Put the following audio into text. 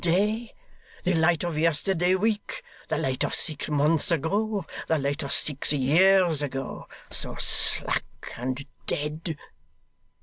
Day? the light of yesterday week, the light of six months ago, the light of six years ago. So slack and dead!